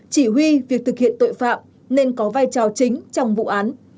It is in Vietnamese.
chỉ huy việc thực hiện tội phạm nên có vai trò chính trong vụ án